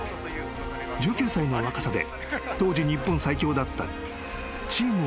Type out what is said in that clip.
［１９歳の若さで当時日本最強だったチーム